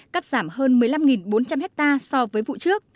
cắt giảm hơn một mươi năm bốn trăm linh hectare so với vụ trước